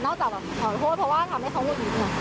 จากแบบขอโทษเพราะว่าทำให้เขาหุดหงิด